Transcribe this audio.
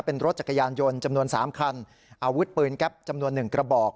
เป็นรถจักรยานยนต์จำนวน๓คันอาวุธปืนแก๊ปจำนวน๑กระบอก